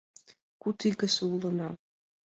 Куд игыже улына.